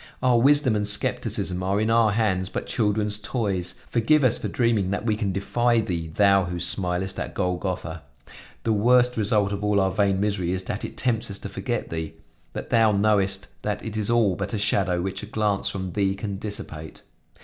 Our wisdom and skepticism are in our hands but children's toys; forgive us for dreaming that we can defy Thee, Thou who smilest at Golgotha. The worst result of all our vain misery is that it tempts us to forget Thee. But Thou knowest that it is all but a shadow, which a glance from Thee can dissipate.